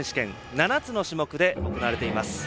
７つの種目で行われています。